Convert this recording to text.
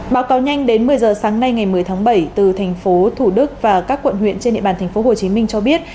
báo cáo nhanh đến một mươi giờ sáng nay ngày một mươi tháng bảy từ thành phố thủ đức và các quận huyện trên địa bàn thành phố hồ chí minh cho biết